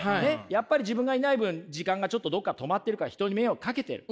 やっぱり自分がいない分時間がちょっとどっか止まってるから人に迷惑かけてる。